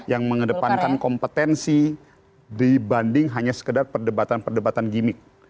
yang mengedepankan kompetensi dibanding hanya sekedar perdebatan perdebatan gimmick